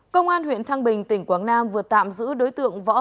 công an huyện thăng bình tỉnh quảng nam vừa tạm giữ đối tượng võ